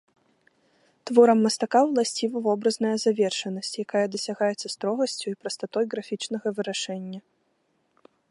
Творам мастака ўласціва вобразная завершанасць, якая дасягаецца строгасцю і прастатой графічнага вырашэння.